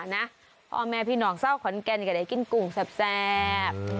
อ๋อนะพ่อแม่พี่หนองเศร้าขอนแกนกับไอ้กินกุ้งแซบ